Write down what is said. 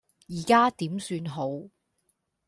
而家點算好